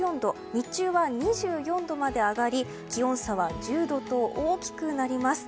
日中は２４度まで上がり気温差は１０度と大きくなります。